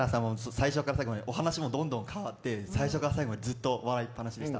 最初から最後までお話もどんどん変わって最初から最後まで笑いっぱなしでした。